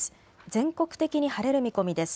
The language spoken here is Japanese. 全国的に晴れる見込みです。